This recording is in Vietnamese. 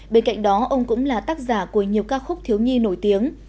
bên cạnh đó ông cũng là tác giả của nhiều ca khúc thiếu nhi nổi tiếng